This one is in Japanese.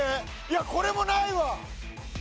いやこれもないわ！